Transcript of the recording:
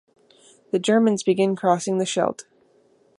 The Germans begin crossing the Scheldt.